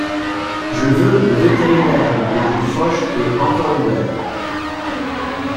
Je veux le vétérinaire le plus proche et encore ouvert.